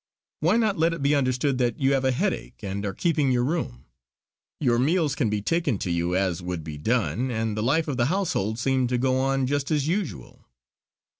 Why not let it be understood that you have a headache and are keeping your room. Your meals can be taken to you as would be done, and the life of the household seem to go on just as usual."